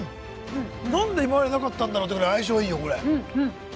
なんで今までなかったんだろうってくらい相性がいいよ。